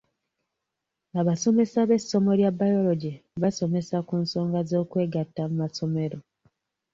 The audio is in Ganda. Abasomesa b'essomo lya Biology basomesa ku nsonga ez'okwegatta mu masomero .